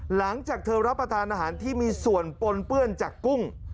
หลังจากเธอรับประทานอาหารที่มีส่วนปนเปื้อนจากกุ้ง